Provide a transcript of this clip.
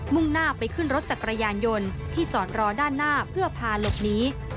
่งหน้าไปขึ้นรถจักรยานยนต์ที่จอดรอด้านหน้าเพื่อพาหลบหนี